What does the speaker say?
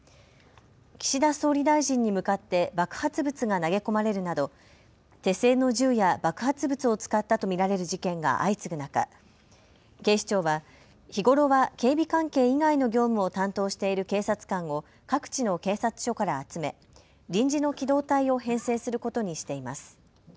岸田総理大臣に向かって爆発物が投げ込まれるなど手製の銃や爆発物を使ったと見られる事件が相次ぐ中、警視庁は日頃は警備関係以外の業務を担当している警察官を各地の警察署から集め臨時の機動隊を編制することにしています。